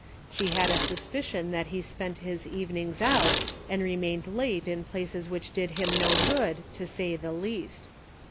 She had a suspicion that he spent his evenings out, and remained late in places which did him no good, to say the least.